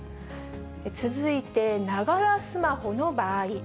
続いて、ながらスマホの場合。